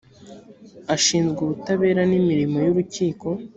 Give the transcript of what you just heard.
ashinzwe ubutabera n’imirimo y’urukiko